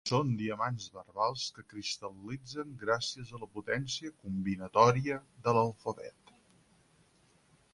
Són diamants verbals que cristal·litzen gràcies a la potència combinatòria de l'alfabet.